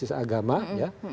berbasis agama ya